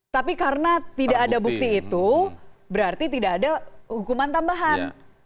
tapi karena tidak ada bukti itu berarti tidak ada hukuman tambahan